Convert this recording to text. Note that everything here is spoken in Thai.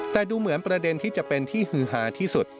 แต่ดูเหมือนประเด็นที่จะเป็นที่ฮือฮาที่สุด